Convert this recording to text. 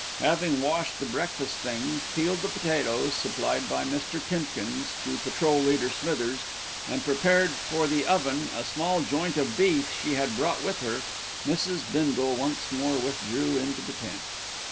Having washed the breakfast things, peeled the potatoes, supplied by Mr. Timkins through Patrol leader Smithers, and prepared for the oven a small joint of beef she had brought with her, Mrs. Bindle once more withdrew into the tent.